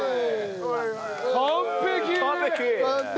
完璧！